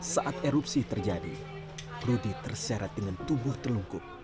saat erupsi terjadi rudi terserat dengan tubuh terlungkup